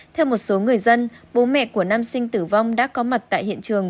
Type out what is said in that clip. theo một số người dân bố mẹ của nam sinh tử vong đã có mặt tại hiện trường